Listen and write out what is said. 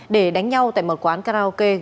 để đánh nhau tại một quán karaoke